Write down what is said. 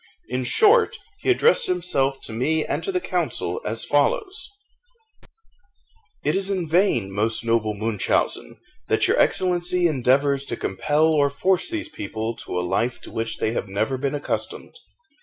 In short, he addressed himself to me and to the council as follows: "It is in vain, most noble Munchausen, that your Excellency endeavours to compel or force these people to a life to which they have never been accustomed.